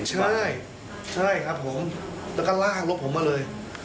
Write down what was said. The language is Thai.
ใช่ใช่ครับผมแล้วก็ลากรถผมมาเลย